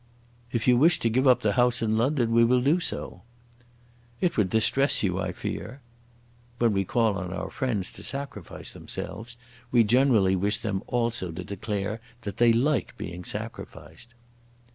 "If you wish to give up the house in London we will do so." "It would distress you I fear." When we call on our friends to sacrifice themselves, we generally wish them also to declare that they like being sacrificed.